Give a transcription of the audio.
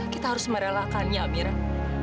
kita harus merelakannya amirah